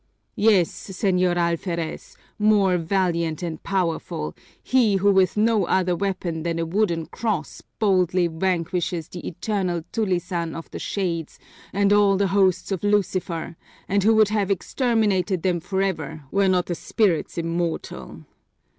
"Yes, señor alferez, more valiant and powerful, he who with no other weapon than a wooden cross boldly vanquishes the eternal tulisan of the shades and all the hosts of Lucifer, and who would have exterminated them forever, were not the spirits immortal!